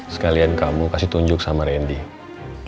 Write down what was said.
sekalian kamu kasih tunjuk sama randy